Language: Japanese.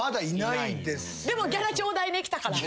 でも。